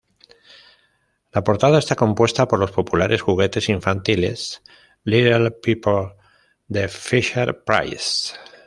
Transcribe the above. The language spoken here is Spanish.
La portada está compuesta por los populares juguetes infantiles Little People de Fisher-Price.